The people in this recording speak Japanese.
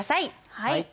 はい。